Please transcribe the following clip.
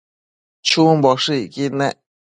chumboshëcquid nec